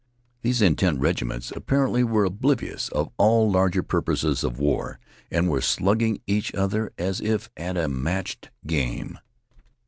These intent regiments apparently were oblivious of all larger purposes of war, and were slugging each other as if at a matched game.